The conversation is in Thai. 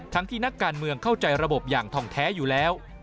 ที่นักการเมืองเข้าใจระบบอย่างทองแท้อยู่แล้ว